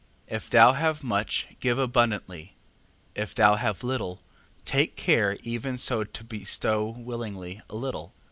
4:9. If thou have much give abundantly: if thou have little, take care even so to bestow willingly a little.